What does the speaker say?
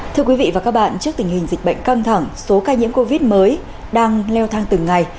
thưa quý vị và các bạn trước tình hình dịch bệnh căng thẳng số ca nhiễm covid mới đang leo thang từng ngày